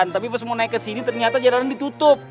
tapi pas mau naik kesini ternyata jalanan ditutup